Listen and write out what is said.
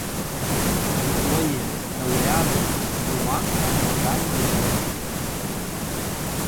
Антонія, драўляны, з двума абразамі на палатне.